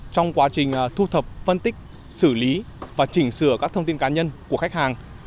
trong quá trình thu thập phân tích xử lý và chỉnh sửa các thông tin cá nhân của khách hàng